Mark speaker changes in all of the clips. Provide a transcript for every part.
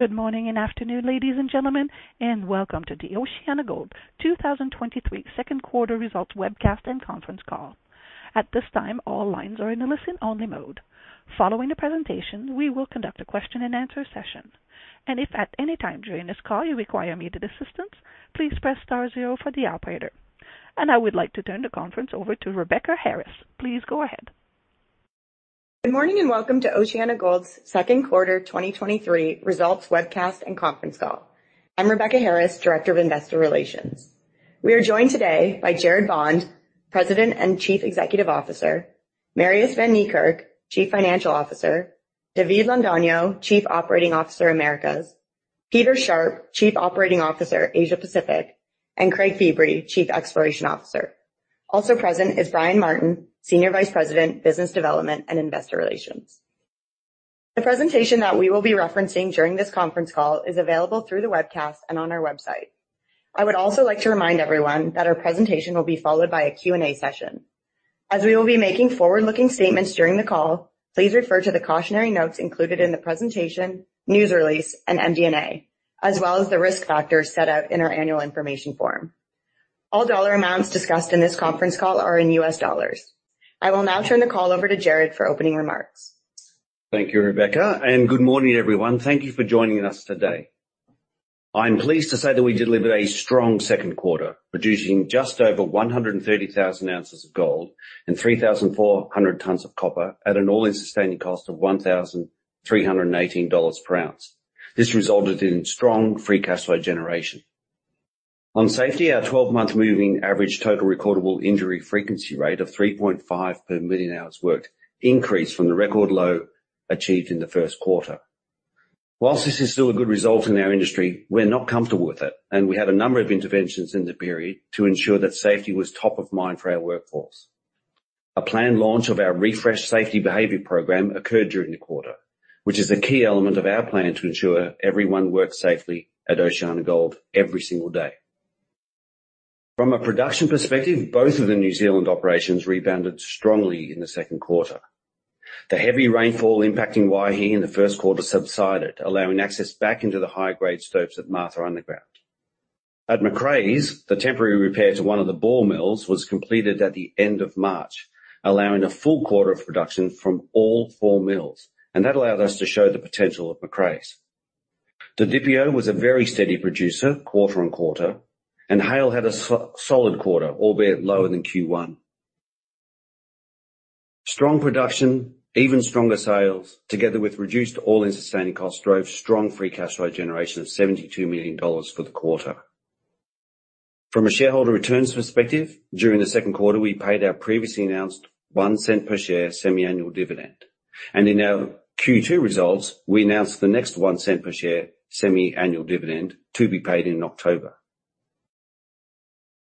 Speaker 1: Good morning and afternoon, ladies and gentlemen, and welcome to the OceanaGold 2023 Second Quarter Results Webcast and Conference Call. At this time, all lines are in a listen-only mode. Following the presentation, we will conduct a question and answer session. If at any time during this call you require immediate assistance, please press star zero for the operator. I would like to turn the conference over to Rebecca Harris. Please go ahead.
Speaker 2: Good morning, welcome to OceanaGold's second quarter 2023 results webcast and conference call. I'm Rebecca Harris, Director of Investor Relations. We are joined today by Gerard Bond, President and Chief Executive Officer, Marius van Niekerk, Chief Financial Officer, David Londono, Chief Operating Officer, Americas, Peter Sharpe, Chief Operating Officer, Asia Pacific, and Craig Feighan, Chief Exploration Officer. Also present is Brian Martin, Senior Vice President, Business Development and Investor Relations. The presentation that we will be referencing during this conference call is available through the webcast and on our website. I would also like to remind everyone that our presentation will be followed by a Q&A session. As we will be making forward-looking statements during the call, please refer to the cautionary notes included in the presentation, news release, and MD&A, as well as the risk factors set out in our Annual Information Form. All dollar amounts discussed in this conference call are in U.S. dollars. I will now turn the call over to Gerard for opening remarks.
Speaker 3: Thank you, Rebecca. Good morning, everyone. Thank you for joining us today. I'm pleased to say that we delivered a strong second quarter, producing just over 130,000 ounces of gold and 3,400 tons of copper at an all-in sustaining cost of $1,318 per ounce. This resulted in strong free cash flow generation. On safety, our 12-month moving average total recordable injury frequency rate of 3.5 per million hours worked increased from the record low achieved in the first quarter. While this is still a good result in our industry, we're not comfortable with it. We had a number of interventions in the period to ensure that safety was top of mind for our workforce. A planned launch of our refreshed safety behavior program occurred during the quarter, which is a key element of our plan to ensure everyone works safely at OceanaGold every single day. From a production perspective, both of the New Zealand operations rebounded strongly in the second quarter. The heavy rainfall impacting Waihi in the first quarter subsided, allowing access back into the high-grade stopes at Martha Underground. At Macraes, the temporary repair to one of the ball mills was completed at the end of March, allowing a full quarter of production from all four mills. That allowed us to show the potential of Macraes. Didipio was a very steady producer quarter on quarter, and Haile had a so-solid quarter, albeit lower than Q1. Strong production, even stronger sales, together with reduced all-in sustaining costs, drove strong free cash flow generation of $72 million for the quarter. From a shareholder returns perspective, during the second quarter, we paid our previously announced $0.01 per share semi-annual dividend. In our Q2 results, we announced the next $0.01 per share semi-annual dividend to be paid in October.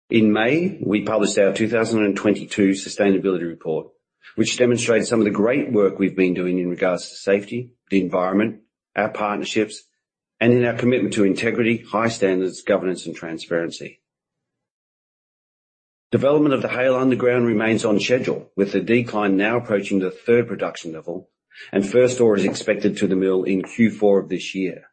Speaker 3: In May, we published our 2022 sustainability report, which demonstrates some of the great work we've been doing in regards to safety, the environment, our partnerships, and in our commitment to integrity, high standards, governance, and transparency. Development of the Haile Underground remains on schedule, with the decline now approaching the third production level. First ore is expected to the mill in Q4 of this year.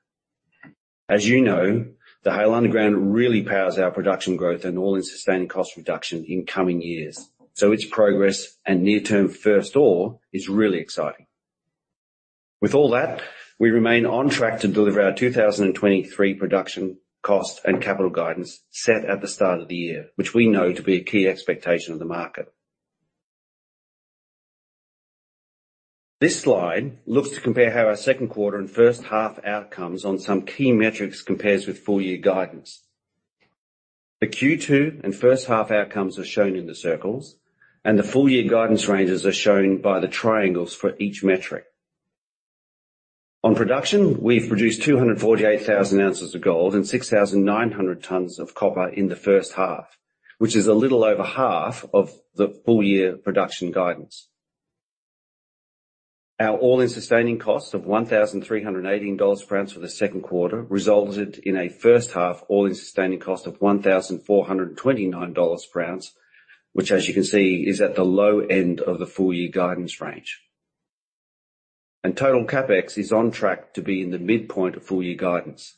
Speaker 3: As you know, the Haile Underground really powers our production growth and all-in sustaining cost reduction in coming years. Its progress and near-term first ore is really exciting. With all that, we remain on track to deliver our 2023 production cost and capital guidance set at the start of the year, which we know to be a key expectation of the market. This slide looks to compare how our second quarter and first half outcomes on some key metrics compares with full-year guidance. The Q2 and first half outcomes are shown in the circles, and the full-year guidance ranges are shown by the triangles for each metric. On production, we've produced 248,000 ounces of gold and 6,900 tons of copper in the first half, which is a little over half of the full-year production guidance. Our all-in sustaining costs of $1,318 per ounce for the second quarter resulted in a first half all-in sustaining cost of $1,429 per ounce, which, as you can see, is at the low end of the full-year guidance range. Total CapEx is on track to be in the midpoint of full-year guidance.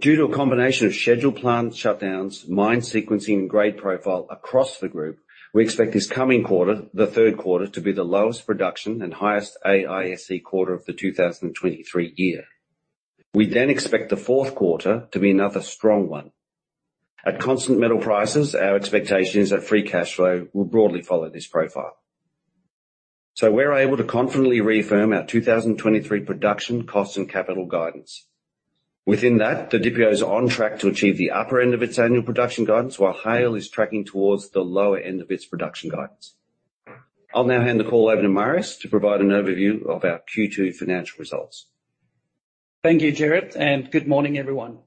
Speaker 3: Due to a combination of scheduled plant shutdowns, mine sequencing, and grade profile across the group, we expect this coming quarter, the third quarter, to be the lowest production and highest AISC quarter of the 2023 year. We expect the fourth quarter to be another strong one. At constant metal prices, our expectation is that free cash flow will broadly follow this profile. We're able to confidently reaffirm our 2023 production costs and capital guidance. Within that, Didipio is on track to achieve the upper end of its annual production guidance, while Haile is tracking towards the lower end of its production guidance. I'll now hand the call over to Marius to provide an overview of our Q2 financial results.
Speaker 4: Thank you, Gerard. Good morning, everyone.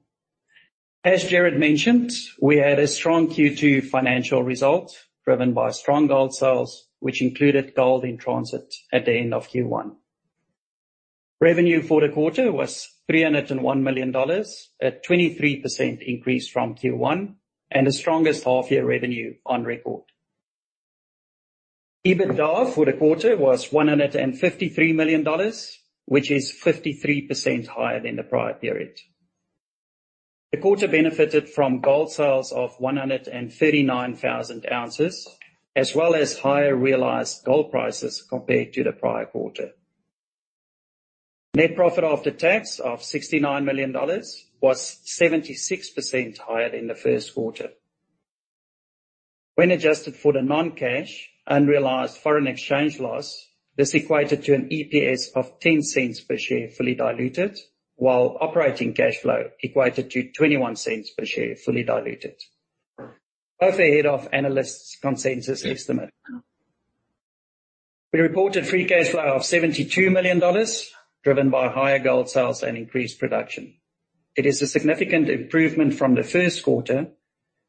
Speaker 4: As Gerard mentioned, we had a strong Q2 financial result, driven by strong gold sales, which included gold in transit at the end of Q1. Revenue for the quarter was $301 million, a 23% increase from Q1 and the strongest half-year revenue on record. EBITDA for the quarter was $153 million, which is 53% higher than the prior period. The quarter benefited from gold sales of 139,000 ounces, as well as higher realized gold prices compared to the prior quarter. Net profit after tax of $69 million was 76% higher than the first quarter. When adjusted for the non-cash, unrealized foreign exchange loss, this equated to an EPS of $0.10 per share, fully diluted, while operating cash flow equated to $0.21 per share, fully diluted. Both ahead of analysts' consensus estimate. We reported free cash flow of $72 million, driven by higher gold sales and increased production. It is a significant improvement from the first quarter,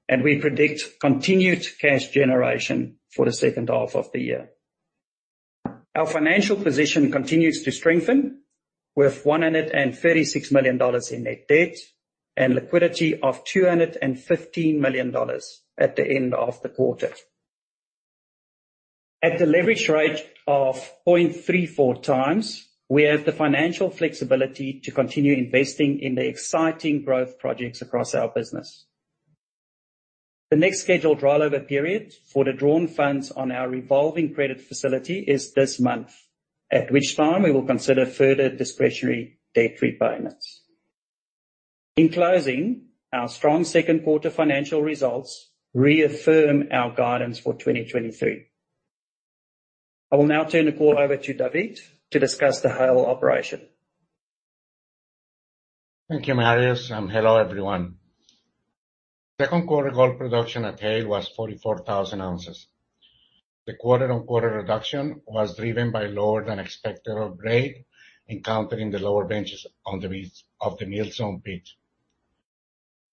Speaker 4: and we predict continued cash generation for the second half of the year. Our financial position continues to strengthen, with $136 million in net debt and liquidity of $215 million at the end of the quarter. At the leverage rate of 0.34x, we have the financial flexibility to continue investing in the exciting growth projects across our business. The next scheduled rollover period for the drawn funds on our revolving credit facility is this month, at which time we will consider further discretionary debt repayments. In closing, our strong second quarter financial results reaffirm our guidance for 2023. I will now turn the call over to David to discuss the Haile operation.
Speaker 5: Thank you, Marius. Hello, everyone. Second quarter gold production at Haile was 44,000 ounces. The quarter-over-quarter reduction was driven by lower-than-expected grade encountered in the lower benches on the base of the Mill Zone pit.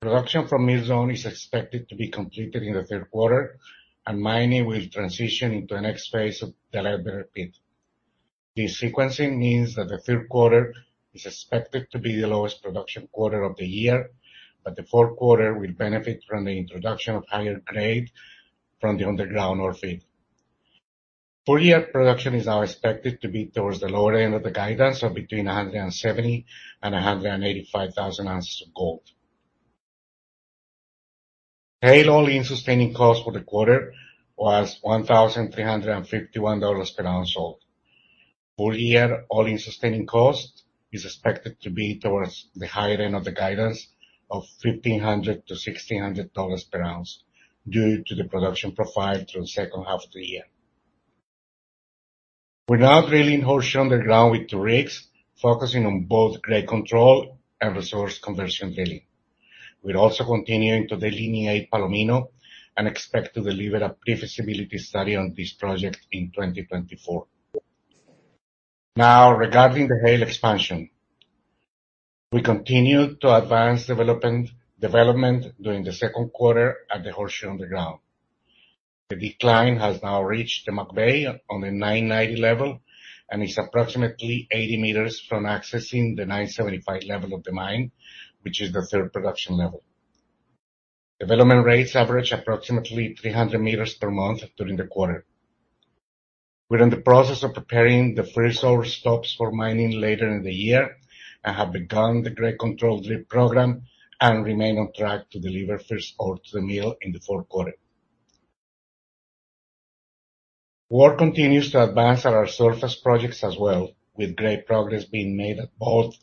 Speaker 5: Production from Mill Zone is expected to be completed in the third quarter, and mining will transition into the next phase of the Liberty Pit. This sequencing means that the third quarter is expected to be the lowest production quarter of the year, but the fourth quarter will benefit from the introduction of higher grade from the underground ore feed. Full-year production is now expected to be towards the lower end of the guidance of between 170,000 and 185,000 ounces of gold. Haile all-in sustaining cost for the quarter was $1,351 per ounce sold. Full year all-in sustaining cost is expected to be towards the higher end of the guidance of $1,500-$1,600 per ounce, due to the production profile through the second half of the year. We're now drilling Horseshoe underground with two rigs, focusing on both grade control and resource conversion drilling. We're also continuing to delineate Palomino and expect to deliver a pre-feasibility study on this project in 2024. Regarding the Haile expansion. We continued to advance development during the second quarter at the Horseshoe underground. The decline has now reached the muck bay on the 990 level and is approximately 80 meters from accessing the 975 level of the mine, which is the third production level. Development rates average approximately 300 meters per month during the quarter. We're in the process of preparing the first ore stopes for mining later in the year and have begun the grade control drill program and remain on track to deliver first ore to the mill in the fourth quarter. Work continues to advance at our surface projects as well, with great progress being made at both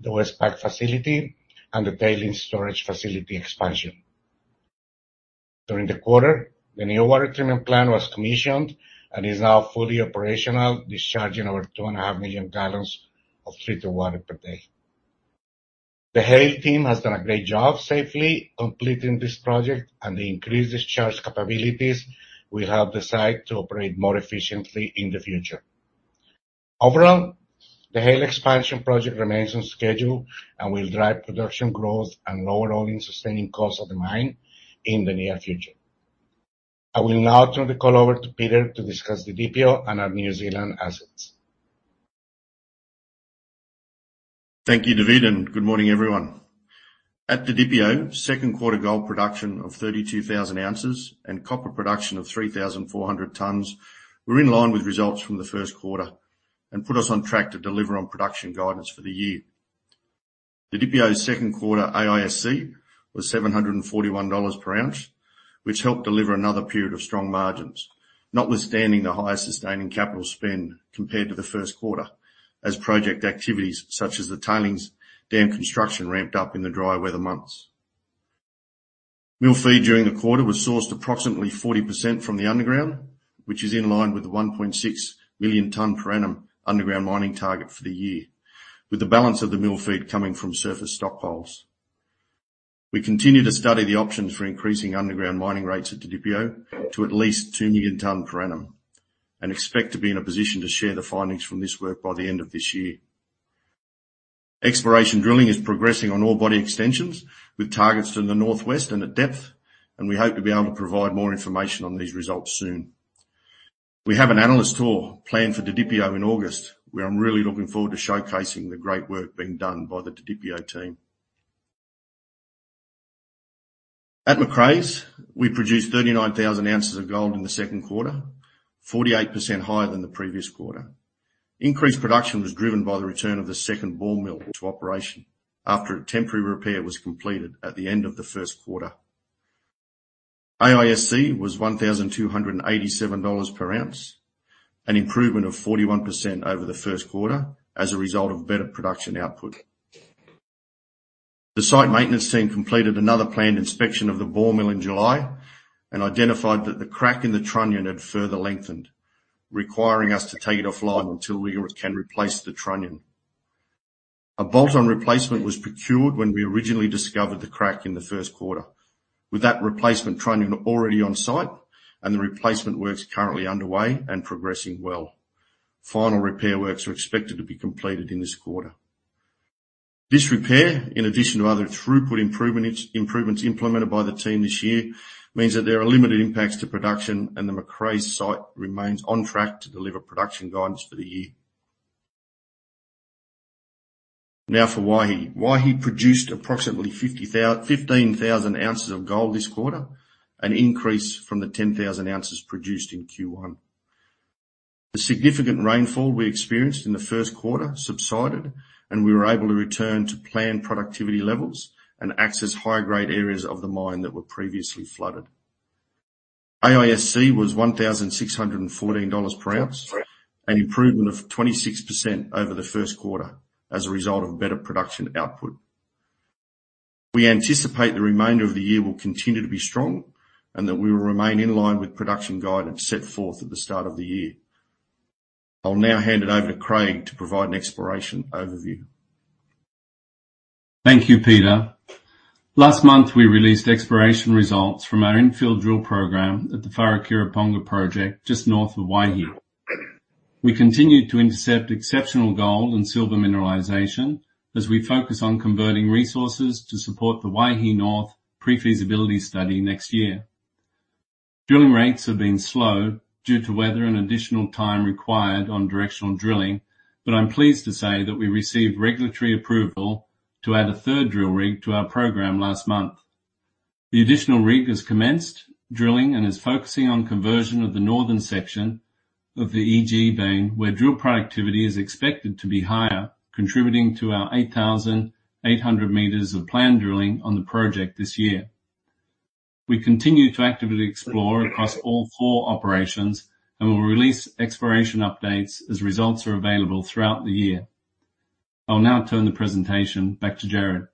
Speaker 5: the West PAG facility and the tailings storage facility expansion. During the quarter, the new water treatment plant was commissioned and is now fully operational, discharging over 2.5 million gallons of treated water per day. The Haile team has done a great job safely completing this project, and the increased discharge capabilities will help the site to operate more efficiently in the future. Overall, the Haile Expansion Project remains on schedule and will drive production growth and lower all-in sustaining costs of the mine in the near future. I will now turn the call over to Peter to discuss the Didipio and our New Zealand assets.
Speaker 6: Thank you, David, and good morning, everyone. At the Didipio, second quarter gold production of 32,000 ounces and copper production of 3,400 tons were in line with results from the first quarter and put us on track to deliver on production guidance for the year. Didipio's second quarter AISC was $741 per ounce, which helped deliver another period of strong margins, notwithstanding the highest sustaining capital spend compared to the first quarter, as project activities such as the tailings dam construction ramped up in the dry weather months. Mill feed during the quarter was sourced approximately 40% from the underground, which is in line with the 1.6 million ton per annum underground mining target for the year, with the balance of the Mill feed coming from surface stockpiles. We continue to study the options for increasing underground mining rates at the Didipio to at least 2 million tons per annum. We expect to be in a position to share the findings from this work by the end of this year. Exploration drilling is progressing on all body extensions, with targets in the northwest and at depth. We hope to be able to provide more information on these results soon. We have an analyst tour planned for the Didipio in August, where I'm really looking forward to showcasing the great work being done by the Didipio team. At Macraes, we produced 39,000 ounces of gold in the second quarter, 48% higher than the previous quarter. Increased production was driven by the return of the second ball mill to operation after a temporary repair was completed at the end of the first quarter. AISC was $1,287 per ounce, an improvement of 41% over the first quarter as a result of better production output. The site maintenance team completed another planned inspection of the ball mill in July and identified that the crack in the trunnion had further lengthened, requiring us to take it offline until we can replace the trunnion. A bolt-on replacement was procured when we originally discovered the crack in the first quarter. With that replacement, trunnion already on site and the replacement works currently underway and progressing well. Final repair works are expected to be completed in this quarter. This repair, in addition to other throughput improvement, improvements implemented by the team this year, means that there are limited impacts to production, and the Macraes site remains on track to deliver production guidance for the year. Now for Waihi. Waihi produced approximately 15,000 ounces of gold this quarter, an increase from the 10,000 ounces produced in Q1. The significant rainfall we experienced in the first quarter subsided, we were able to return to planned productivity levels and access higher grade areas of the mine that were previously flooded. AISC was $1,614 per ounce, an improvement of 26% over the first quarter as a result of better production output. We anticipate the remainder of the year will continue to be strong and that we will remain in line with production guidance set forth at the start of the year. I'll now hand it over to Craig to provide an exploration overview.
Speaker 7: Thank you, Peter. Last month, we released exploration results from our infill drill program at the Wharekirauponga project, just north of Waihi. We continued to intercept exceptional gold and silver mineralization as we focus on converting resources to support the Waihi North pre-feasibility study next year. Drilling rates have been slow due to weather and additional time required on directional drilling, but I'm pleased to say that we received regulatory approval to add a third drill rig to our program last month. The additional rig has commenced drilling and is focusing on conversion of the northern section of the EG vein, where drill productivity is expected to be higher, contributing to our 8,800 meters of planned drilling on the project this year. We continue to actively explore across all four operations, and we'll release exploration updates as results are available throughout the year. I'll now turn the presentation back to Gerard.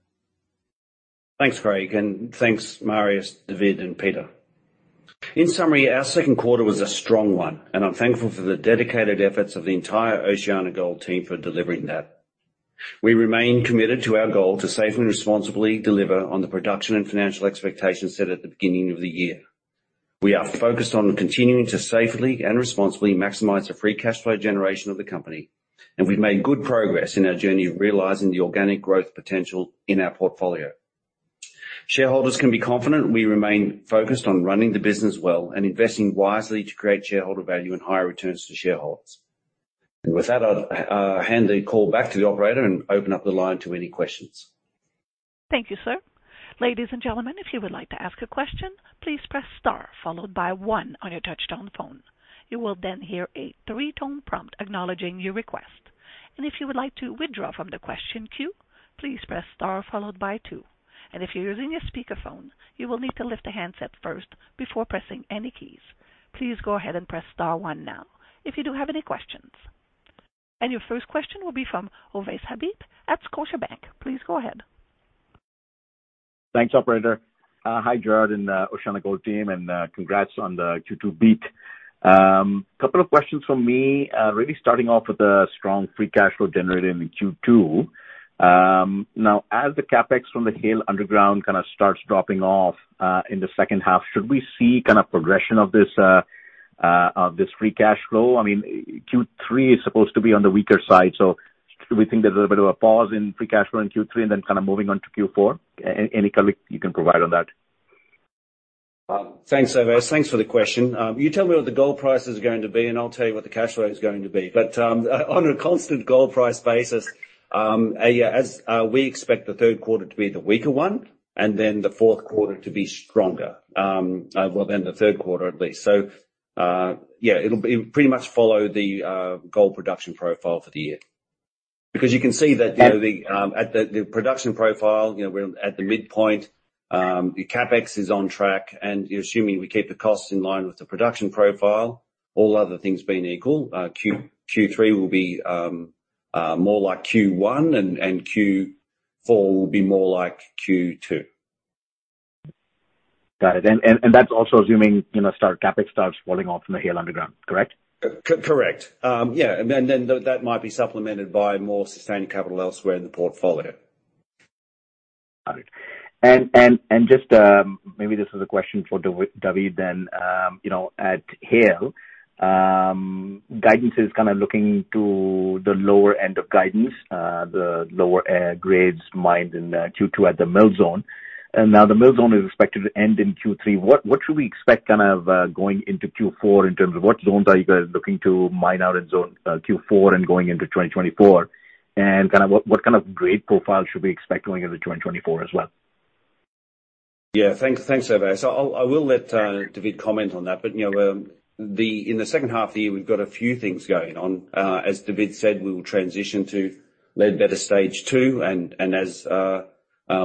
Speaker 3: Thanks, Craig, and thanks, Marius, David, and Peter. In summary, our second quarter was a strong one, and I'm thankful for the dedicated efforts of the entire OceanaGold team for delivering that. We remain committed to our goal to safely and responsibly deliver on the production and financial expectations set at the beginning of the year. We are focused on continuing to safely and responsibly maximize the free cash flow generation of the company, and we've made good progress in our journey of realizing the organic growth potential in our portfolio. Shareholders can be confident we remain focused on running the business well and investing wisely to create shareholder value and higher returns to shareholders. With that, I'll hand the call back to the operator and open up the line to any questions.
Speaker 1: Thank you, sir. Ladies and gentlemen, if you would like to ask a question, please press star followed by 1 on your touch-tone phone. You will then hear a 3-tone prompt acknowledging your request. If you would like to withdraw from the question queue, please press star followed by 2. If you're using a speakerphone, you will need to lift the handset first before pressing any keys. Please go ahead and press star 1 now if you do have any questions. Your first question will be from Ovais Habib at Scotiabank. Please go ahead.
Speaker 8: Thanks, operator. Hi, Gerard and OceanaGold team, congrats on the Q2 beat. Couple of questions from me, really starting off with the strong free cash flow generated in Q2. Now, as the CapEx from the Haile Underground kind of starts dropping off, in the second half, should we see kind of progression of this of this free cash flow? I mean, Q3 is supposed to be on the weaker side, do we think there's a bit of a pause in free cash flow in Q3 and then kind of moving on to Q4? Any color you can provide on that?
Speaker 6: Thanks, Ovais. Thanks for the question. You tell me what the gold price is going to be, and I'll tell you what the cash flow is going to be. On a constant gold price basis, yeah, as we expect the third quarter to be the weaker one and then the fourth quarter to be stronger, well, than the third quarter at least. Yeah, it'll be, pretty much follow the gold production profile for the year. You can see that-the, at the, the production profile, you know, we're at the midpoint, the CapEx is on track, and assuming we keep the costs in line with the production profile, all other things being equal, Q3 will be more like Q1, and Q4 will be more like Q2.
Speaker 8: Got it. That's also assuming, you know, CapEx starts falling off from the Haile Underground, correct?
Speaker 6: Correct. Yeah, and then, then that might be supplemented by more sustained capital elsewhere in the portfolio.
Speaker 8: Got it. And just, maybe this is a question for David Londono then. You know, at Haile, guidance is kind of looking to the lower end of guidance, the lower grades mined in Q2 at the Mill Zone, and now the Mill Zone is expected to end in Q3. What should we expect kind of going into Q4 in terms of what zones are you guys looking to mine out in zone, Q4 and going into 2024? Kind of what kind of grade profile should we expect going into 2024 as well?
Speaker 3: Yeah, thanks, thanks, Ovais. I will let David comment on that, but, you know, in the second half of the year, we've got a few things going on. As David said, we will transition to Ledbetter Stage 2, and as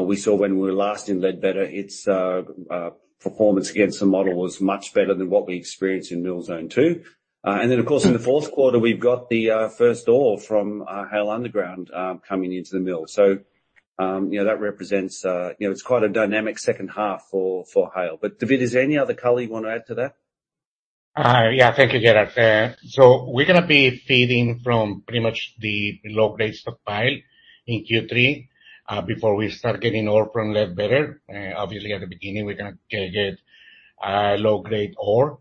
Speaker 3: we saw when we were last in Ledbetter, its performance against the model was much better than what we experienced in Mill Zone 2. Then, of course, in the fourth quarter, we've got the first ore from Haile Underground coming into the mill. You know, that represents, you know, it's quite a dynamic second half for Haile. David, is there any other color you want to add to that?
Speaker 5: Yeah. Thank you, Gerard. We're gonna be feeding from pretty much the low-grade stockpile in Q3, before we start getting ore from Ledbetter. Obviously, at the beginning, we're gonna get low-grade ore.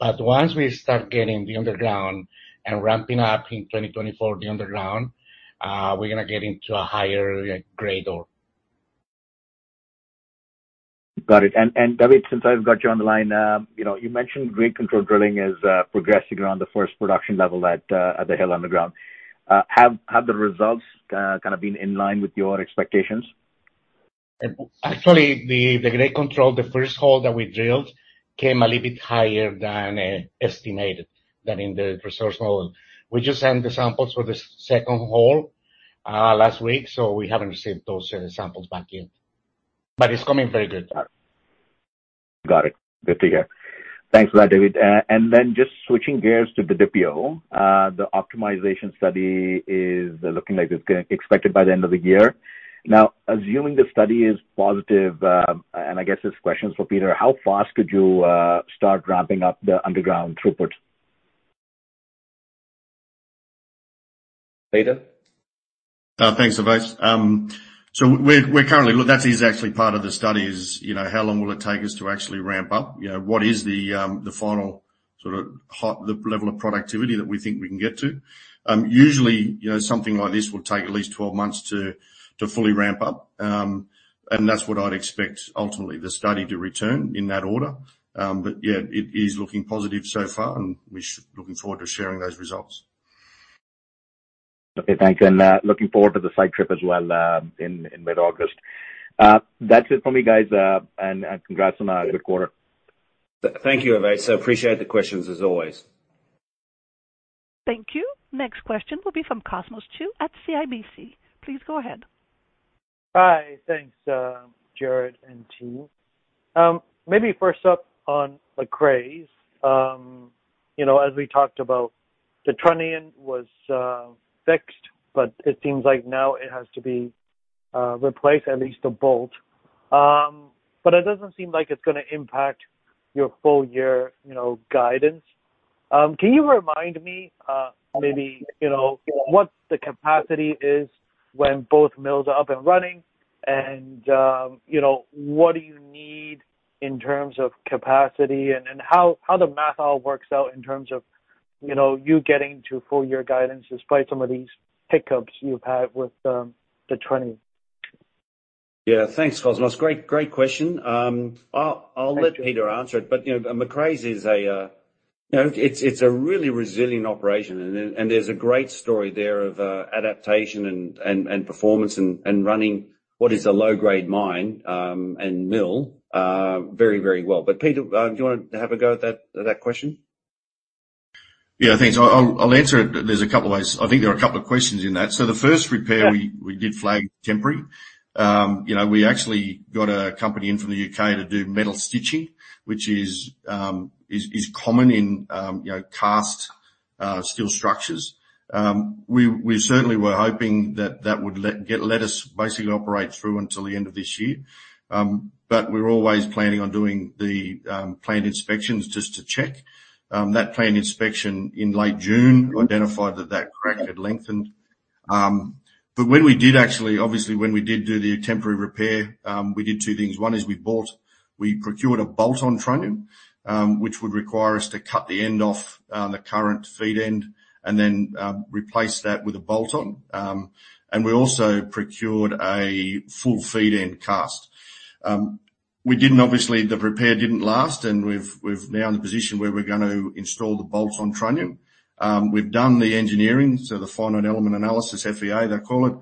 Speaker 5: Once we start getting the underground and ramping up in 2024, the underground, we're gonna get into a higher grade ore.
Speaker 8: Got it. And, David, since I've got you on the line, you know, you mentioned grade control drilling is progressing around the first production level at the Haile Underground. Have, have the results kind of been in line with your expectations?
Speaker 5: Actually, the grade control, the first hole that we drilled came a little bit higher than estimated, than in the resource model. We just sent the samples for the second hole last week, so we haven't received those samples back yet. It's coming very good.
Speaker 8: Got it. Good to hear. Thanks for that, David. Just switching gears to the Didipio. The optimization study is looking like it's gonna expected by the end of the year. Now, assuming the study is positive, and I guess this question is for Peter, how fast could you start ramping up the underground throughput?
Speaker 3: Peter?
Speaker 6: Thanks, Ovais. We're, we're currently that is actually part of the study, is, you know, how long will it take us to actually ramp up? You know, what is the, the final sort of high, the level of productivity that we think we can get to? Usually, you know, something like this will take at least 12 months to fully ramp up. That's what I'd expect ultimately, the study to return in that order. Yeah, it is looking positive so far, and we looking forward to sharing those results.
Speaker 8: Okay, thanks. Looking forward to the site trip as well, in mid-August. That's it for me, guys, and congrats on a good quarter.
Speaker 3: Thank you, Ovais. I appreciate the questions as always.
Speaker 1: Thank you. Next question will be from Cosmos Chiu at CIBC. Please go ahead.
Speaker 9: Hi. Thanks, Gerard and team. Maybe first up on the Macraes. You know, as we talked about, the trunnion was fixed, but it seems like now it has to be replaced, at least a bolt. But it doesn't seem like it's gonna impact your full year, you know, guidance. Can you remind me, maybe, you know, what the capacity is when both mills are up and running? What do you need in terms of capacity and, and how, how the math all works out in terms of, you know, you getting to full year guidance despite some of these hiccups you've had with the trunnion?
Speaker 3: Yeah. Thanks, Cosmos. Great, great question.
Speaker 9: Thank you.
Speaker 3: I'll let Peter answer it, you know, Macraes is a, you know, it's a really resilient operation, and, and there's a great story there of adaptation and, and, and performance and, and running what is a low-grade mine, and mill, very, very well. Peter, do you want to have a go at that, at that question?
Speaker 6: Yeah, thanks. I'll answer it. There's a couple of ways. I think there are a couple of questions in that. The first repair we did flag temporary. You know, we actually got a company in from the U.K. to do metal stitching, which is, is common in, you know, cast, steel structures. We, we certainly were hoping that that would let, get, let us basically operate through until the end of this year. We're always planning on doing the planned inspections just to check. That planned inspection in late June identified that that crack had lengthened. When we did actually, obviously, when we did do the temporary repair, we did two things. One is we bought, we procured a bolt on trunnion, which would require us to cut the end off, the current feed end and then, replace that with a bolt on. We also procured a full feed end cast. We didn't obviously, the repair didn't last, and we've, we've now in a position where we're gonna install the bolt on trunnion. We've done the engineering, so the finite element analysis, FEA, they call it.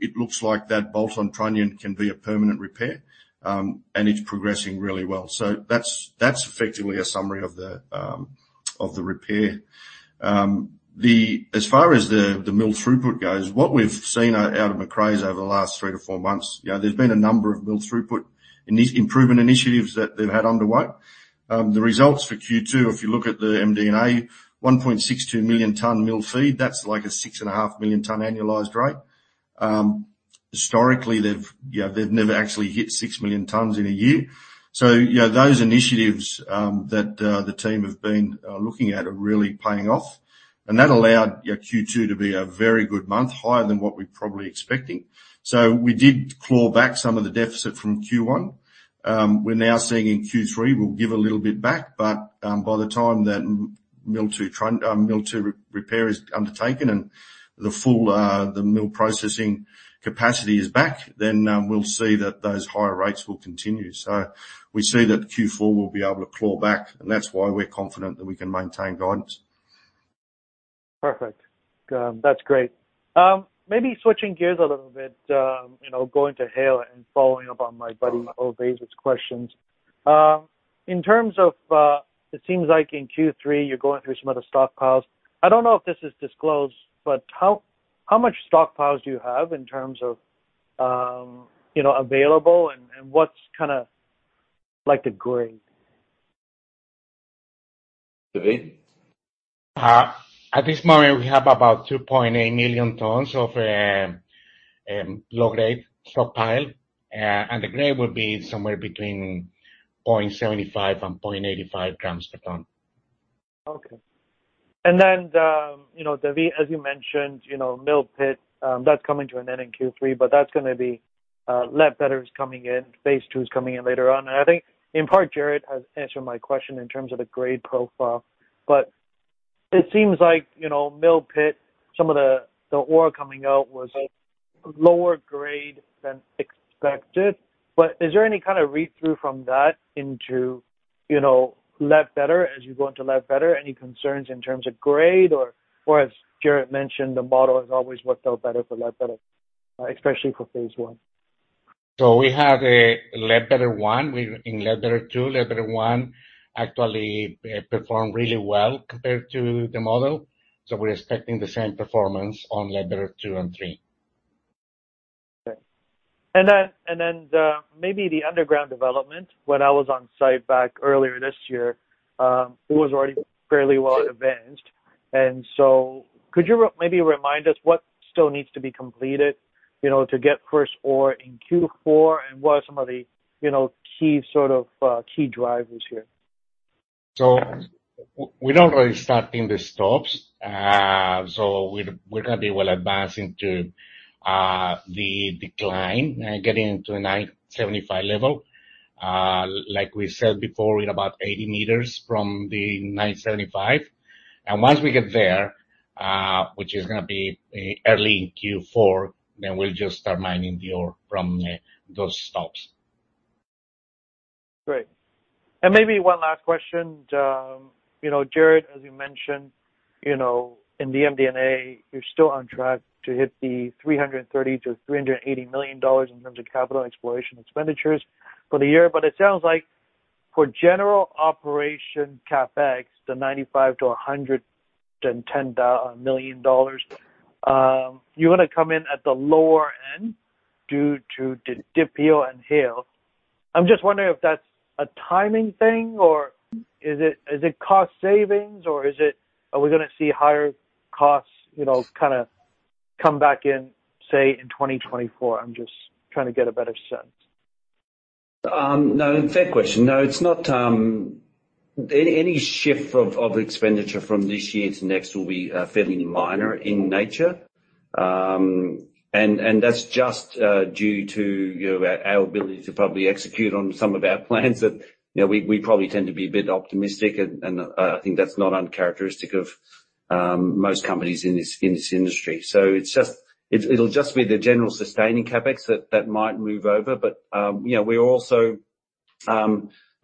Speaker 6: It looks like that bolt on trunnion can be a permanent repair, and it's progressing really well. That's, that's effectively a summary of the, of the repair. The, as far as the, the mill throughput goes, what we've seen out, out of Macraes over the last three to four months, you know, there's been a number of mill throughput in these improvement initiatives that they've had underway. The results for Q2, if you look at the MD&A, 1.62 million ton mill feed, that's like a 6.5 million ton annualized rate. Historically, they've, you know, they've never actually hit 6 million tons in a year. You know, those initiatives that the team have been looking at are really paying off, and that allowed, you know, Q2 to be a very good month, higher than what we're probably expecting. We did claw back some of the deficit from Q1. We're now seeing in Q3, we'll give a little bit back, but by the time that mill two re-repair is undertaken and the full the mill processing capacity is back, then we'll see that those higher rates will continue. We see that Q4 will be able to claw back, and that's why we're confident that we can maintain guidance.
Speaker 9: Perfect. That's great. Maybe switching gears a little bit, you know, going to Haile and following up on my buddy, Ovais' questions. In terms of, it seems like in Q3, you're going through some of the stockpiles. I don't know if this is disclosed, but how, how much stockpiles do you have in terms of, you know, available, and, and what's kind of like the grade?
Speaker 3: David?
Speaker 5: At this moment, we have about 2.8 million tons of low-grade stockpile. The grade will be somewhere between 0.75 and 0.85 grams per ton.
Speaker 9: Okay. You know, David, as you mentioned, you know, Mill Pit, that's coming to an end in Q3, but that's gonna be Ledbetter is coming in, Phase II is coming in later on. I think in part, Gerard has answered my question in terms of the grade profile. It seems like, you know, Mill Pit, some of the ore coming out was lower grade than expected. Is there any kind of read-through from that into, you know, Ledbetter, as you go into Ledbetter? Any concerns in terms of grade, or, or as Gerard mentioned, the model has always worked out better for Ledbetter, especially for Phase I.
Speaker 5: We have a Ledbetter 1. We're in Ledbetter 2. Ledbetter 1 actually performed really well compared to the model, so we're expecting the same performance on Ledbetter 2 and 3.
Speaker 9: Okay. Then, and then, maybe the underground development. When I was on site back earlier this year, it was already fairly well advanced. So could you re- maybe remind us what still needs to be completed, you know, to get first ore in Q4, and what are some of the, you know, key sort of, key drivers here?
Speaker 5: We're already starting the stopes. We're, we're gonna be well advancing to the decline, getting to a 975 level. Like we said before, we're about 80 meters from the 975. Once we get there, which is gonna be early in Q4, we'll just start mining the ore from those stopes.
Speaker 9: Great. Maybe one last question, you know, Gerard, as you mentioned, you know, in the MD&A, you're still on track to hit the $330 million-$380 million in terms of capital exploration expenditures for the year. It sounds like for general operation CapEx, the $95 million-$110 million, you're gonna come in at the lower end due to Didipio and Haile. I'm just wondering if that's a timing thing, or is it cost savings, or are we gonna see higher costs, you know, kind of come back in, say, in 2024? I'm just trying to get a better sense.
Speaker 3: No, fair question. No, it's not, any shift of, of expenditure from this year to next will be fairly minor in nature. That's just due to, you know, our, our ability to probably execute on some of our plans that, you know, we, we probably tend to be a bit optimistic, and I think that's not uncharacteristic of most companies in this, in this industry. It'll just be the general sustaining CapEx that, that might move over, but, you know, we're also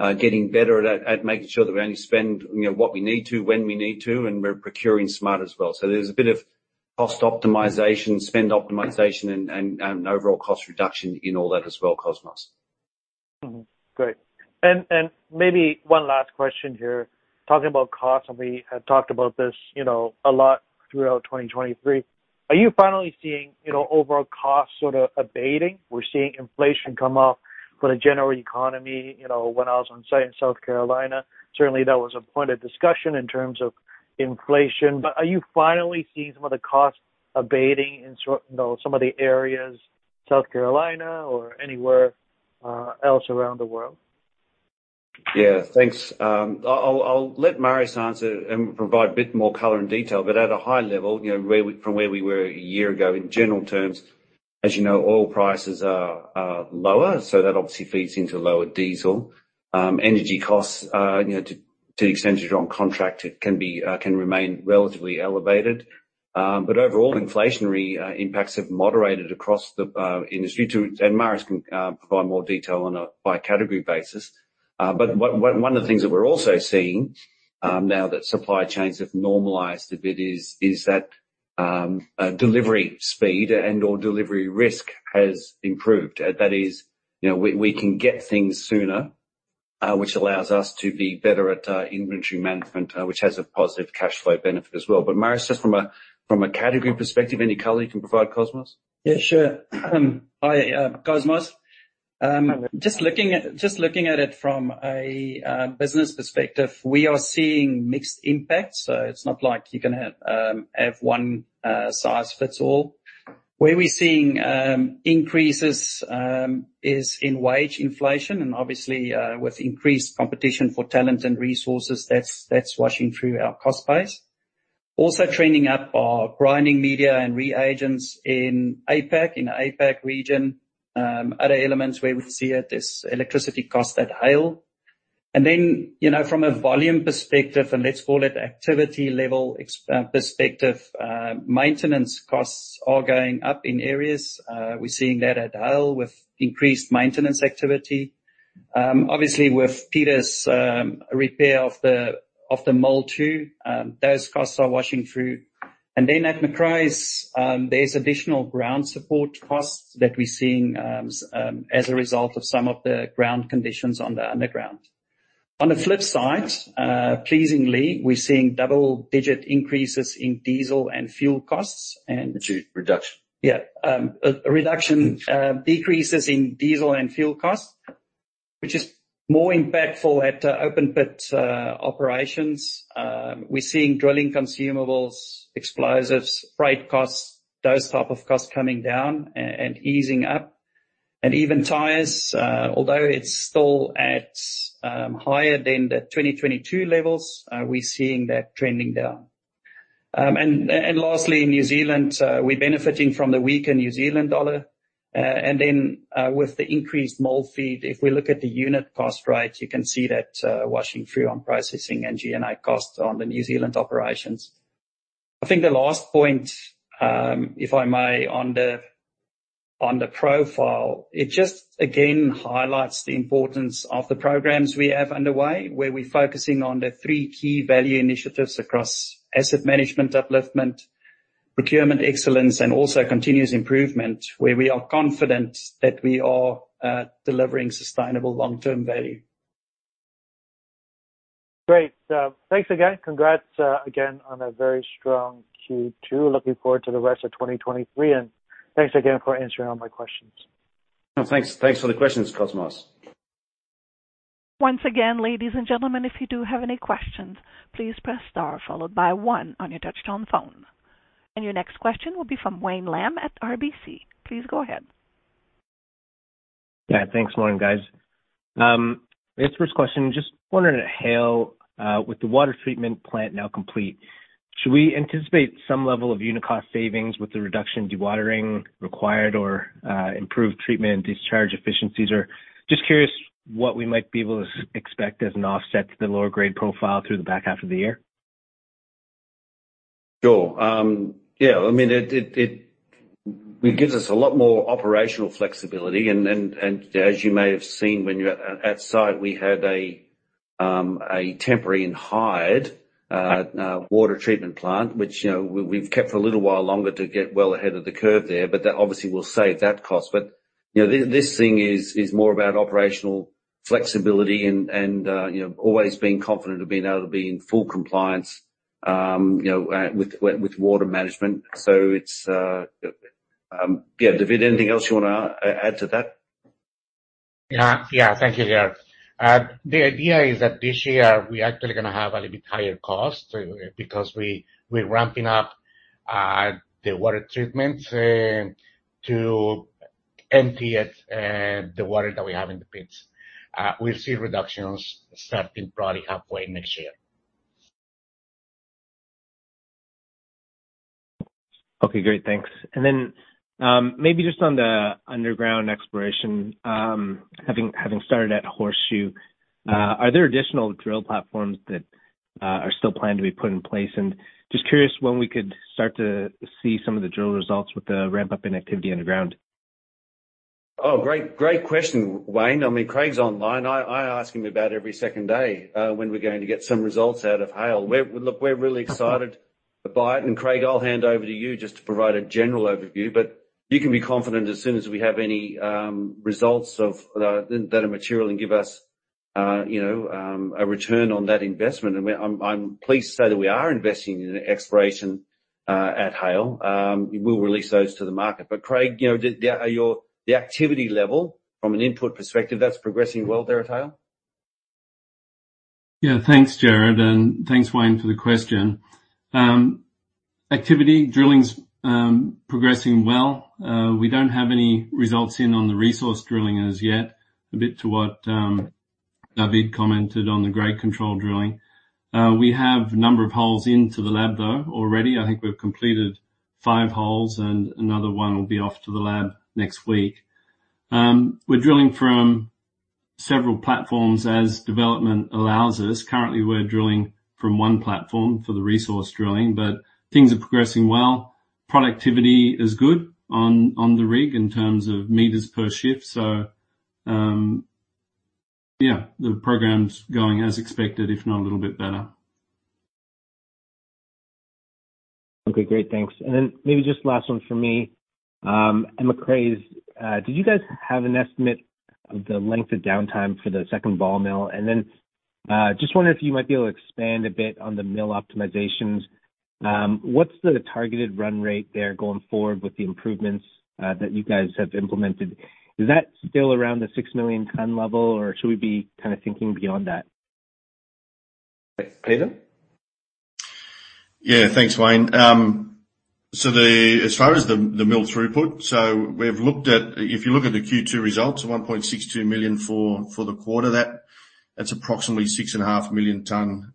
Speaker 3: getting better at, at making sure that we only spend, you know, what we need to, when we need to, and we're procuring smart as well. There's a bit of cost optimization, spend optimization, and overall cost reduction in all that as well, Cosmos.
Speaker 9: Great. Maybe one last question here. Talking about costs, and we have talked about this, you know, a lot throughout 2023. Are you finally seeing, you know, overall costs sort of abating? We're seeing inflation come up for the general economy. You know, when I was on site in South Carolina, certainly that was a point of discussion in terms of inflation. Are you finally seeing some of the costs abating in you know, some of the areas, South Carolina or anywhere else around the world?
Speaker 3: Yeah, thanks. I'll let Marius answer and provide a bit more color and detail, but at a high level, you know, where we-- from where we were a year ago, in general terms, as you know, oil prices are lower, so that obviously feeds into lower diesel. Energy costs, you know, to the extent you're on contract, it can be, can remain relatively elevated. Overall inflationary impacts have moderated across the industry, too. Marius can provide more detail on a by category basis. One of the things that we're also seeing, now that supply chains have normalized a bit, is that delivery speed and/or delivery risk has improved. That is, you know, we, we can get things sooner, which allows us to be better at inventory management, which has a positive cash flow benefit as well. Marius, just from a category perspective, any color you can provide Cosmos? Yeah, sure. Hi, Cosmos. Just looking at it from a business perspective, we are seeing mixed impacts, so it's not like you're gonna have one size fits all. Where we're seeing increases is in wage inflation and obviously, with increased competition for talent and resources, that's, that's washing through our cost base. Also, trending up are grinding media and reagents in APAC, in the APAC region. Other elements where we see it is electricity costs at Haile. Then, you know, from a volume perspective, and let's call it activity level ex perspective, maintenance costs are going up in areas. We're seeing that at Haile with increased maintenance activity. Obviously, with Peter's repair of the mill two, those costs are washing through. At Macraes, there's additional ground support costs that we're seeing as a result of some of the ground conditions on the underground. On the flip side, pleasingly, we're seeing double-digit increases in diesel and fuel costs and-- Excuse me, reduction. Yeah, a reduction, decreases in diesel and fuel costs, which is more impactful at open pit operations. We're seeing drilling consumables, explosives, freight costs, those type of costs coming down a-and easing up. Even tires, although it's still at higher than the 2022 levels, we're seeing that trending down. Lastly, in New Zealand, we're benefiting from the weaker New Zealand dollar. Then, with the increased mill feed, if we look at the unit cost, right, you can see that washing through on processing and G&A costs on the New Zealand operations. I think the last point, if I may, on the, on the profile, it just again highlights the importance of the programs we have underway, where we're focusing on the three key value initiatives across asset management, upliftment, procurement excellence, and also continuous improvement, where we are confident that we are delivering sustainable long-term value.
Speaker 9: Great. Thanks again. Congrats again, on a very strong Q2. Looking forward to the rest of 2023. Thanks again for answering all my questions.
Speaker 4: No, thanks. Thanks for the questions, Cosmos.
Speaker 1: Once again, ladies and gentlemen, if you do have any questions, please press star followed by one on your touchtone phone. Your next question will be from Wayne Lam at RBC. Please go ahead.
Speaker 10: Yeah, thanks. Morning, guys. This first question, wondering at Haile, with the water treatment plant now complete, should we anticipate some level of unit cost savings with the reduction in dewatering required or improved treatment and discharge efficiencies? Or curious what we might be able to expect as an offset to the lower grade profile through the back half of the year.
Speaker 3: Sure. Yeah, I mean, it gives us a lot more operational flexibility and, and, and as you may have seen when you're at site, we had a temporary and hired water treatment plant, which, you know, we've kept for a little while longer to get well ahead of the curve there, but that obviously will save that cost. You know, this, this thing is, is more about operational flexibility and, and, you know, always being confident of being able to be in full compliance, you know, with water management. It's. Yeah, David, anything else you want to add to that?
Speaker 5: Yeah. Yeah, thank you, Gerard. The idea is that this year we are actually gonna have a little bit higher cost because we're ramping up the water treatment to empty it the water that we have in the pits. We'll see reductions starting probably halfway next year.
Speaker 10: Okay, great. Thanks. Maybe just on the underground exploration, having, having started at Horseshoe, are there additional drill platforms that are still planned to be put in place? Just curious when we could start to see some of the drill results with the ramp-up in activity underground?
Speaker 3: Oh, great, great question, Wayne. I mean, Craig's online. I, I ask him about every second day, when we're going to get some results out of Haile. Look, we're really excited about it. Craig, I'll hand over to you just to provide a general overview, but you can be confident as soon as we have any results of that are material and give us, you know, a return on that investment. We, I'm, I'm pleased to say that we are investing in exploration at Haile. We'll release those to the market. Craig, you know, the, your, the activity level from an input perspective, that's progressing well there at Haile?
Speaker 7: Yeah. Thanks, Gerard, and thanks, Wayne, for the question. Activity, drilling's progressing well. We don't have any results in on the resource drilling as yet, a bit to what David commented on the grade control drilling. We have a number of holes into the lab, though, already. I think we've completed five holes, and another one will be off to the lab next week. We're drilling from several platforms as development allows us. Currently, we're drilling from one platform for the resource drilling, things are progressing well. Productivity is good on, on the rig in terms of meters per shift. Yeah, the program's going as expected, if not a little bit better.
Speaker 10: Okay, great. Thanks. Maybe just last one for me. At Macraes, did you guys have an estimate of the length of downtime for the second ball mill? Just wondering if you might be able to expand a bit on the mill optimizations. What's the targeted run rate there going forward with the improvements that you guys have implemented? Is that still around the 6 million ton level, or should we be kind of thinking beyond that?
Speaker 3: Peter?
Speaker 6: Yeah, thanks, Wayne. As far as the mill throughput, if you look at the Q2 results, $1.62 million for the quarter, that's approximately 6.5 million tons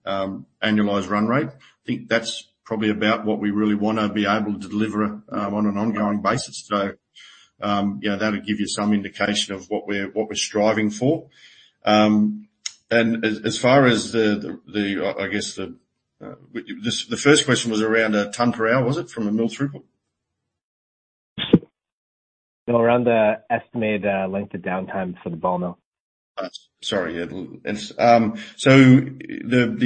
Speaker 6: annualized run rate. I think that's probably about what we really wanna be able to deliver on an ongoing basis. Yeah, that'll give you some indication of what we're striving for. As far as the, I guess, with the first question was around a ton per hour, was it, from a mill throughput?
Speaker 10: Around the estimated length of downtime for the ball mill?
Speaker 6: Sorry, the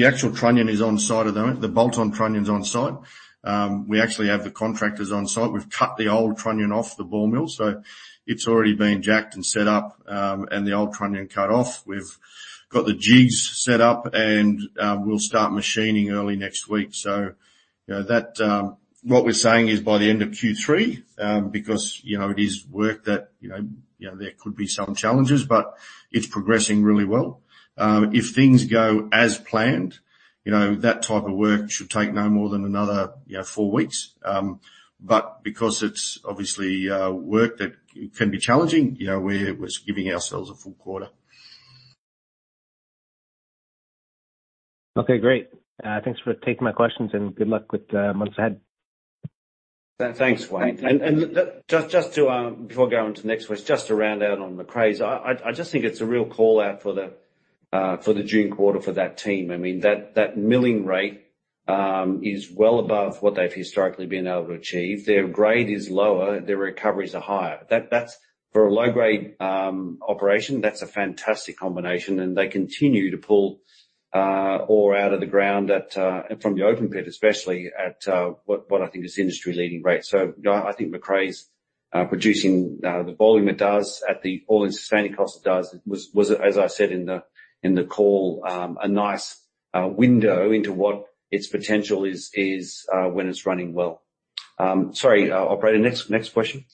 Speaker 6: actual trunnion is on site at the moment. The bolt-on trunnion is on site. We actually have the contractors on site. We've cut the old trunnion off the ball mill, so it's already been jacked and set up, and the old trunnion cut off. We've got the jigs set up, and we'll start machining early next week. You know, that, what we're saying is by the end of Q3, because, you know, it is work that, you know, you know, there could be some challenges, but it's progressing really well. If things go as planned, you know, that type of work should take no more than another, you know, four weeks. Because it's obviously work that can be challenging, you know, we're giving ourselves a full quarter.
Speaker 10: Okay, great. Thanks for taking my questions and good luck with the months ahead.
Speaker 3: Thanks, Wayne. Just to, before I go on to the next question, just to round out on Macraes, I just think it's a real call-out for the June quarter for that team. I mean, that, that milling rate, is well above what they've historically been able to achieve. Their grade is lower, their recoveries are higher. That's for a low-grade, operation, that's a fantastic combination, and they continue to pull ore out of the ground at from the open pit, especially at what, what I think is industry-leading rates. I think Macraes, producing the volume it does at the all-in sustaining cost it does, was, as I said in the call, a nice window into what its potential is, when it's running well. Sorry, operator, next, next question.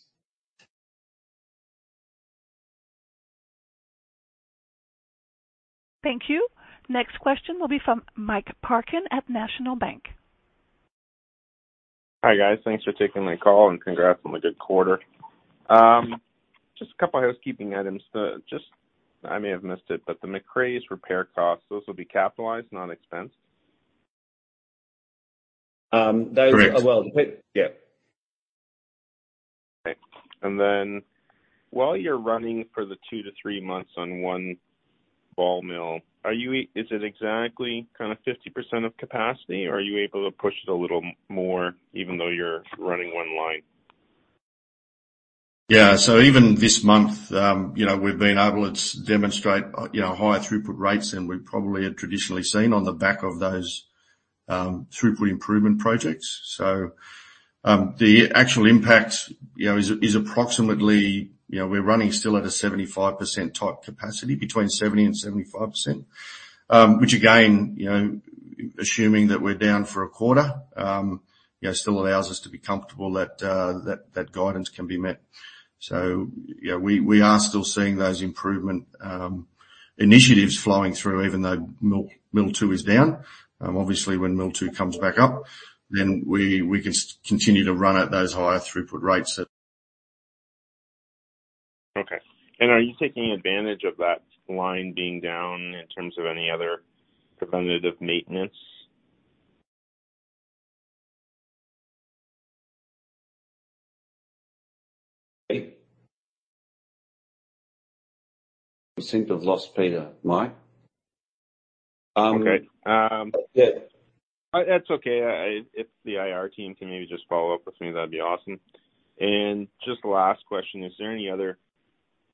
Speaker 1: Thank you. Next question will be from Mike Parkin at National Bank.
Speaker 11: Hi, guys. Thanks for taking my call, and congrats on the good quarter. Just a couple of housekeeping items. Just, I may have missed it, but the Macraes repair costs, those will be capitalized, not expensed?
Speaker 6: Correct.
Speaker 3: Well, yeah.
Speaker 11: Okay. Then while you're running for the two to three months on one ball mill, are you, is it exactly kind of 50% of capacity, or are you able to push it a little more even though you're running one line?
Speaker 6: Yeah. Even this month, we've been able to demonstrate higher throughput rates than we probably had traditionally seen on the back of those throughput improvement projects. The actual impact is approximately, we're running still at a 75% type capacity, between 70% and 75%. Which again, assuming that we're down for a quarter, still allows us to be comfortable that that guidance can be met. We, we are still seeing those improvement initiatives flowing through, even though mill two is down. Obviously, when mill two comes back up, then we, we can continue to run at those higher throughput rates that--
Speaker 11: Okay. Are you taking advantage of that line being down in terms of any other preventative maintenance?
Speaker 3: We seem to have lost Peter. Mike?
Speaker 11: Okay.
Speaker 3: Yeah.
Speaker 11: That's okay. If the IR team can maybe just follow up with me, that'd be awesome. Just the last question: Is there any other,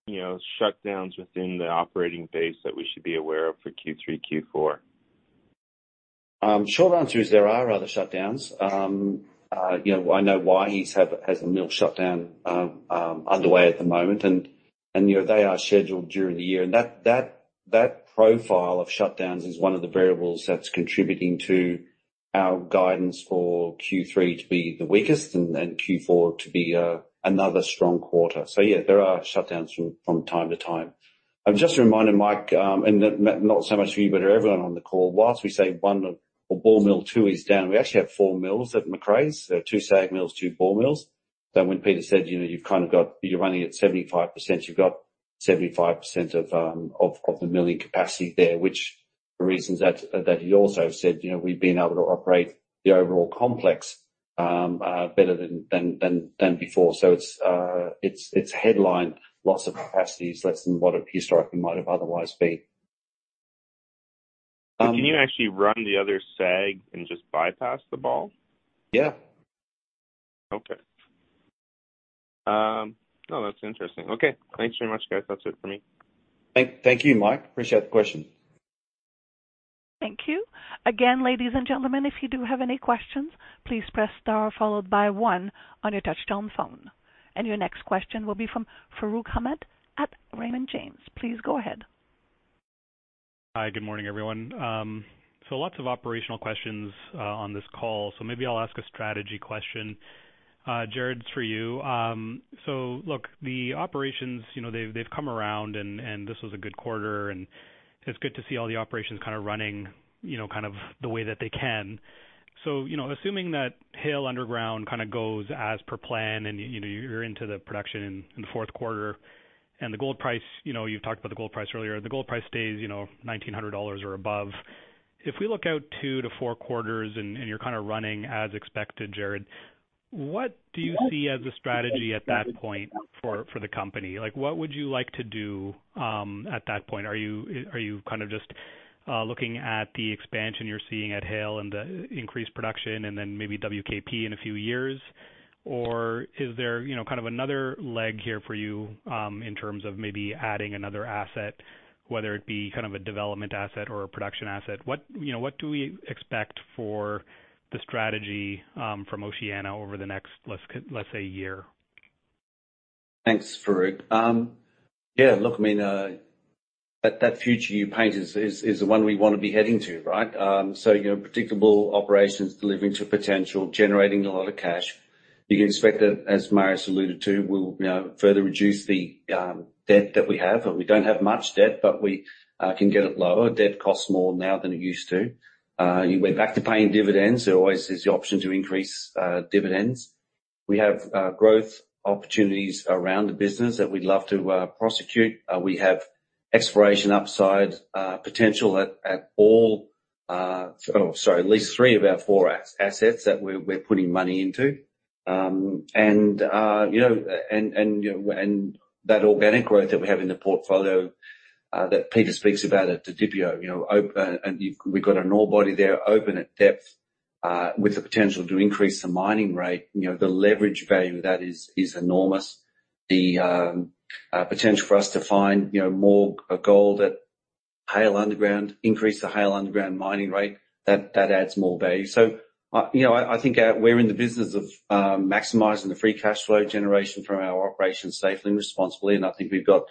Speaker 11: you know, shutdowns within the operating base that we should be aware of for Q3, Q4?
Speaker 3: Short answer is there are other shutdowns. I know Waihi's have, has a mill shutdown underway at the moment, they are scheduled during the year. That profile of shutdowns is one of the variables that's contributing to our guidance for Q3 to be the weakest Q4 to be another strong quarter. Yeah, there are shutdowns from time to time. Just a reminder, Mike, and not so much for you, but everyone on the call, whilst we say one or ball mill two is down, we actually have four mills at Macraes. There are two SAG mills, two ball mills. When Peter said, you've kind of got-- You're running at 75%, you've got 75% of the milling capacity there, which for reasons that he also said, you know, we've been able to operate the overall complex better than before. It's headline, lots of capacities, less than what it historically might have otherwise been.
Speaker 11: Can you actually run the other SAG and just bypass the ball?
Speaker 3: Yeah.
Speaker 11: Okay. no, that's interesting. Okay, thanks very much, guys. That's it for me.
Speaker 3: Thank, thank you, Mike. Appreciate the question.
Speaker 1: Thank you. Again, ladies and gentlemen, if you do have any questions, please press star followed by one on your touchtone phone. Your next question will be from Farooq Ahmed at Raymond James. Please go ahead.
Speaker 12: Hi, good morning, everyone. Lots of operational questions on this call, maybe I'll ask a strategy question. Gerard, it's for you. Look, the operations, you know, they've, they've come around and, and this was a good quarter, and it's good to see all the operations kind of running, you know, kind of the way that they can. You know, assuming that Haile Underground kind of goes as per plan and, you know, you're into the production in the fourth quarter, and the gold price, you know, you've talked about the gold price earlier, the gold price stays, you know, $1,900 or above. If we look out two-four quarters and, and you're kind of running as expected, Gerard, what do you see as the strategy at that point for, for the company? Like, what would you like to do, at that point? Are you, are you kind of looking at the expansion you're seeing at Haile and the increased production, and then maybe WKP in a few years? Is there, you know, kind of another leg here for you, in terms of maybe adding another asset, whether it be kind of a development asset or a production asset? What, you know, what do we expect for the strategy, from Oceana over the next, let's say, year?
Speaker 3: Thanks, Farooq. Yeah, look, I mean, that, that future you paint is, is, is the one we want to be heading to, right? You know, predictable operations, delivering to potential, generating a lot of cash. You can expect that, as Marius alluded to, we'll now further reduce the debt that we have, and we don't have much debt, but we can get it lower. Debt costs more now than it used to. We're back to paying dividends. There always is the option to increase dividends. We have growth opportunities around the business that we'd love to prosecute. We have exploration upside potential at all, at least three of our four assets that we're, we're putting money into. You know, and, and, you know, and that organic growth that we have in the portfolio, that Peter speaks about at Didipio, you know, and, and we've got an ore body there, open at depth, with the potential to increase the mining rate. You know, the leverage value of that is, is enormous. The potential for us to find, you know, more gold at Haile Underground, increase the Haile Underground mining rate, that, that adds more value. I, you know, I think we're in the business of maximizing the free cash flow generation from our operations safely and responsibly, and I think we've got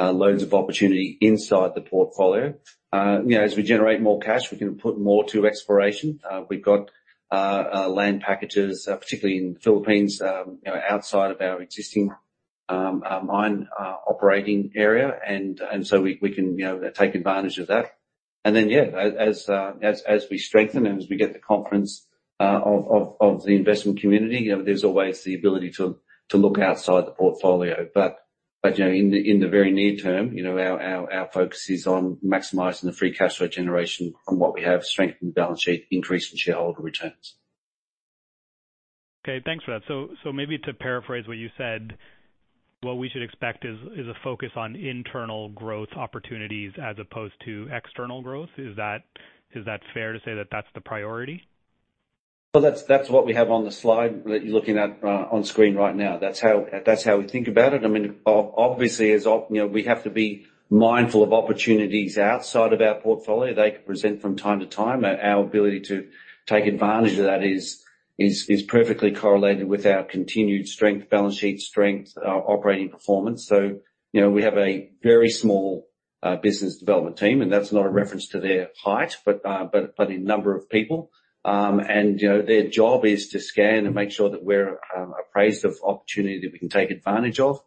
Speaker 3: loads of opportunity inside the portfolio. You know, as we generate more cash, we can put more to exploration. We've got land packages, particularly in the Philippines, you know, outside of our existing mine operating area. We can, you know, take advantage of that. As we strengthen and as we get the confidence of the investment community, you know, there's always the ability to look outside the portfolio. You know, in the very near term, you know, our focus is on maximizing the free cash flow generation from what we have, strengthening the balance sheet, increasing shareholder returns.
Speaker 12: Okay, thanks for that. Maybe to paraphrase what you said, what we should expect is a focus on internal growth opportunities as opposed to external growth. Is that fair to say that that's the priority?
Speaker 3: Well, that's what we have on the slide that you're looking at, on screen right now. That's how, that's how we think about it. I mean, obviously, you know, we have to be mindful of opportunities outside of our portfolio. They could present from time to time, and our ability to take advantage of that is perfectly correlated with our continued strength, balance sheet strength, our operating performance. You know, we have a very small business development team, and that's not a reference to their height, but, but in number of people. And, you know, their job is to scan and make sure that we're appraised of opportunity that we can take advantage of.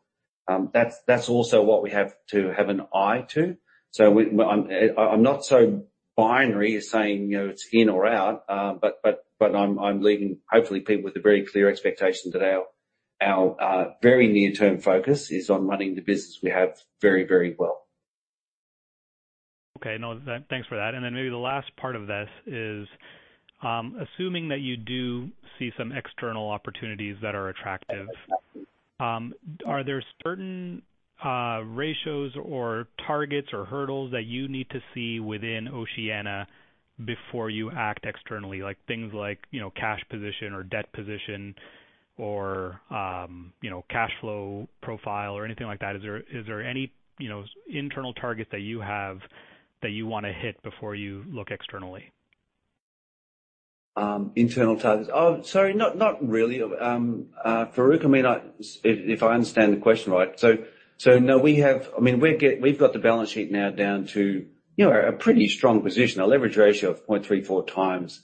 Speaker 3: That's, that's also what we have to have an eye to. I'm not so binary as saying, you know, it's in or out, but I'm leaving, hopefully, people with a very clear expectation that our very near-term focus is on running the business we have very, very well.
Speaker 12: Okay. No, thanks for that. Maybe the last part of this is, assuming that you do see some external opportunities that are attractive, are there certain ratios or targets or hurdles that you need to see within Oceana before you act externally? Like, things like, you know, cash position or debt position or, you know, cash flow profile or anything like that. Is there, is there any, you know, internal target that you have that you want to hit before you look externally?
Speaker 3: Internal targets? Sorry, not, not really. Farooq, I mean, if I understand the question right, no, I mean, we've got the balance sheet now down to, you know, a pretty strong position. Our leverage ratio of 0.34x,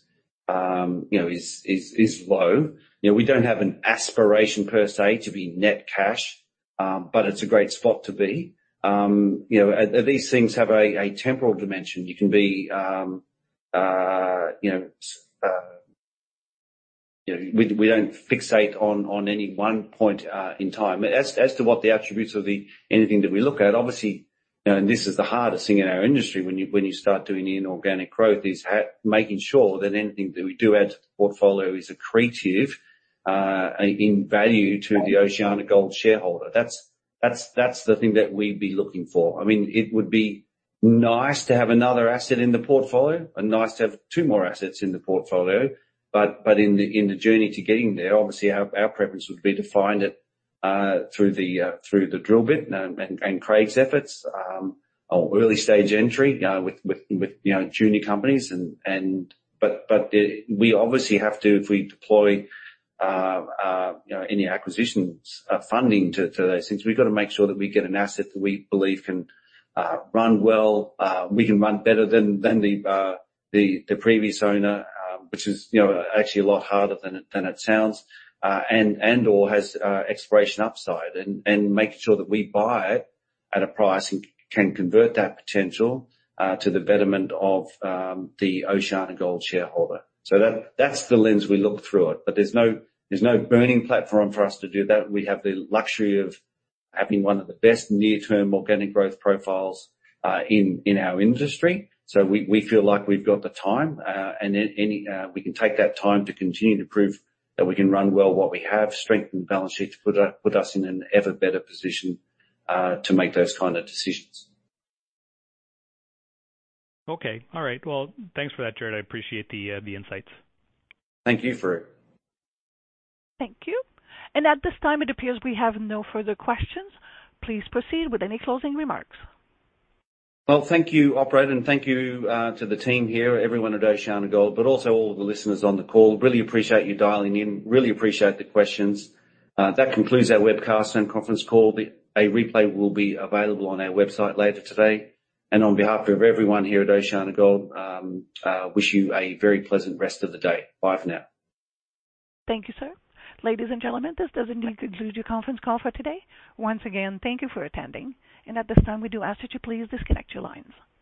Speaker 3: you know, is low. You know, we don't have an aspiration per se, to be net cash. It's a great spot to be. You know, these things have a, a temporal dimension. You can be, you know, you know, we don't fixate on any one point, in time. As, as to what the attributes of the, anything that we look at, obviously, you know, and this is the hardest thing in our industry, when you, when you start doing inorganic growth, is making sure that anything that we do add to the portfolio is accretive in value to the OceanaGold shareholder. That's, that's the thing that we'd be looking for. I mean, it would be nice to have another asset in the portfolio and nice to have two more assets in the portfolio, but, but in the, in the journey to getting there, obviously, our, our preference would be to find it through the through the drill bit and, and, and Craig's efforts, or early stage entry with you know, junior companies. We obviously have to, if we deploy, you know, any acquisitions, funding to, to those things, we've got to make sure that we get an asset that we believe can, run well, we can run better than the previous owner, which is, you know, actually a lot harder than it, than it sounds. And/or has, exploration upside, and, and making sure that we buy it at a price and can convert that potential, to the betterment of, the OceanaGold shareholder. That-that's the lens we look through it, but there's no, there's no burning platform for us to do that. We have the luxury of having one of the best near-term organic growth profiles in our industry. We, we feel like we've got the time, and any, we can take that time to continue to prove that we can run well what we have, strengthen the balance sheet, to put us in an ever better position, to make those kind of decisions.
Speaker 12: Okay. All right. Well, thanks for that, Gerard. I appreciate the, the insights.
Speaker 3: Thank you, Farooq.
Speaker 1: Thank you. At this time, it appears we have no further questions. Please proceed with any closing remarks.
Speaker 3: Well, thank you, operator, and thank you to the team here, everyone at OceanaGold, but also all the listeners on the call. Really appreciate you dialing in. Really appreciate the questions. That concludes our webcast and conference call. A replay will be available on our website later today. On behalf of everyone here at OceanaGold, wish you a very pleasant rest of the day. Bye for now.
Speaker 1: Thank you, sir. Ladies and gentlemen, this does indeed conclude your conference call for today. Once again, thank you for attending, and at this time, we do ask that you please disconnect your lines.